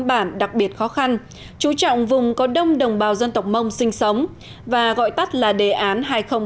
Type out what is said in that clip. bản đặc biệt khó khăn chú trọng vùng có đông đồng bào dân tộc mông sinh sống và gọi tắt là đề án hai nghìn ba mươi bảy